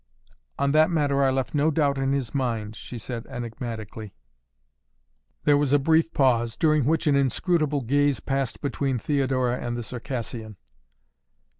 "On that matter I left no doubt in his mind," she said enigmatically. There was a brief pause, during which an inscrutable gaze passed between Theodora and the Circassian.